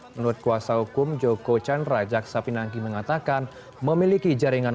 menurut kuasa hukum joko chandra jaksa pinangki mengatakan memiliki jaringan